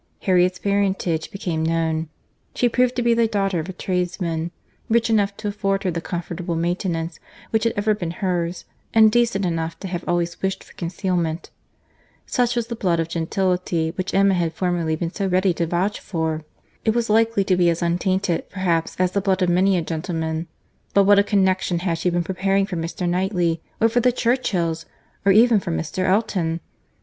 —Harriet's parentage became known. She proved to be the daughter of a tradesman, rich enough to afford her the comfortable maintenance which had ever been hers, and decent enough to have always wished for concealment.—Such was the blood of gentility which Emma had formerly been so ready to vouch for!—It was likely to be as untainted, perhaps, as the blood of many a gentleman: but what a connexion had she been preparing for Mr. Knightley—or for the Churchills—or even for Mr. Elton!